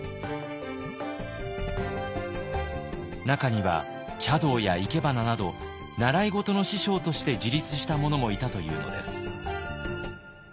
中には茶道や生け花など習い事の師匠として自立した者もいたというのです。